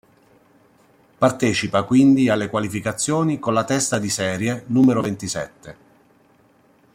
Partecipa quindi alle qualificazioni con la testa di serie numero ventisette.